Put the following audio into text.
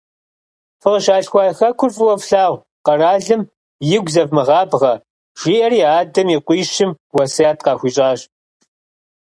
Фыкъыщалъхуа Хэкур фӀыуэ флъагъу, къэралым игу зэвмыгъабгъэ, - жиӏэри, адэм и къуищым уэсят къахуищӀащ.